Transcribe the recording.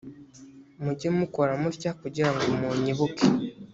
mujye mukora mutya kugira ngo munyibuke